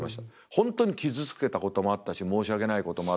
本当に傷つけたこともあったし申し訳ないこともあったし。